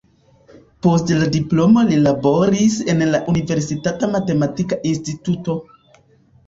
Post la diplomo li laboris en la universitata matematika instituto.